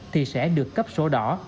thì sẽ được cấp số đỏ